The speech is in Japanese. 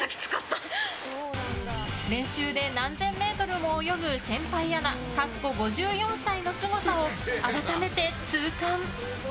練習で何千メートルも泳ぐ先輩アナ、かっこ５４歳のすごさを改めて痛感。